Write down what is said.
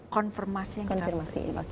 konfirmasi yang kita kita